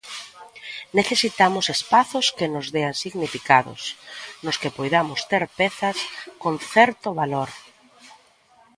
Necesitamos espazos que nos dean significados, nos que poidamos ter pezas con certo valor.